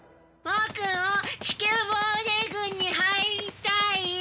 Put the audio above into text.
僕も地球防衛軍に入りたい！